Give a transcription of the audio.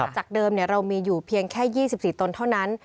จากเดิมเรามีอยู่เพียงแค่๒๔ตนเท่านั้น